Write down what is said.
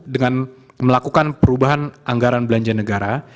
dengan melakukan perubahan anggaran belanja negara